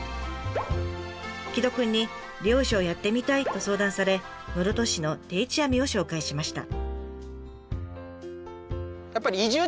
城戸くんに漁師をやってみたいと相談され室戸市の定置網を紹介しました。